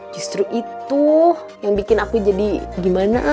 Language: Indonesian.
justru itu yang bikin aku jadi gimana